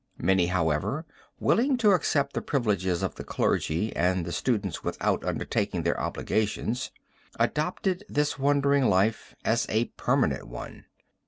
Many, however, willing to accept the privileges of the clergy and the students without undertaking their obligations, adopted this wandering life as a permanent one.